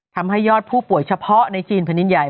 ทำให้ยอดผู้ป่วยเฉพาะในจีนแผ่นดินใหญ่